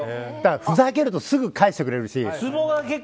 ふざけるとすぐ返してくれるし。